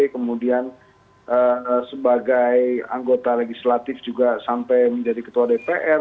kemudian sebagai anggota legislatif juga sampai menjadi ketua dpr